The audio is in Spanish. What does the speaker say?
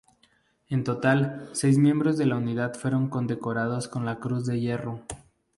En total, seis miembros de la unidad fueron condecorados con la Cruz de Hierro.